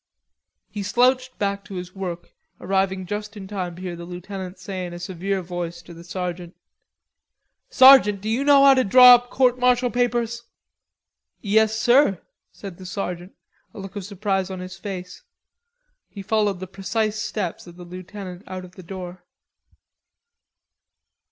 He slouched back to his work, arriving just in time to hear the lieutenant say in a severe voice to the sergeant: "Sergeant, do you know how to draw up court martial papers?" "Yes, sir," said the sergeant, a look of surprise on his face. He followed the precise steps of the lieutenant out of the door.